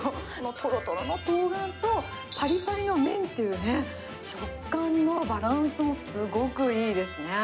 とろとろのトウガンとぱりぱりの麺っていうね、食感のバランスもすごくいいですね。